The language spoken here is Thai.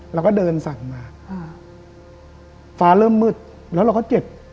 เราก็เดินสั่งมาอ่าฟ้าเริ่มมืดแล้วเราก็เจ็บ